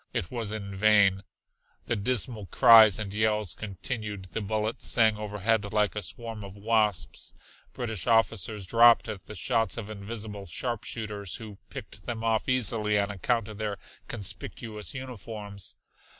It was in vain. The dismal cries and yells continued. The bullets sang overhead like a swarm of wasps, British officers dropped at the shots of invisible sharpshooters, who picked them off easily on account of their conspicuous uniforms.